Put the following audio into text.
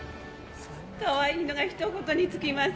かわいいのひと言に尽きます。